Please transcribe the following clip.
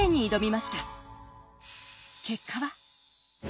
結果は。